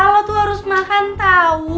lo tuh harus makan tau